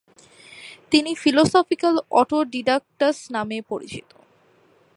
তিনি ফিলোসফিকাল অটোডিডাকটাস নামে পরিচিত।